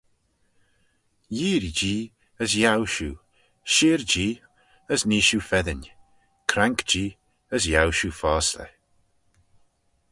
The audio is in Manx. Yeearree-jee, as yiow shiu: shir-jee, as nee shiu feddyn: crank-jee, as yiow shiu fosley.